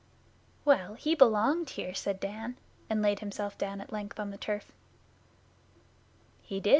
'Well, he belonged here,' said Dan, and laid himself down at length on the turf. 'He did.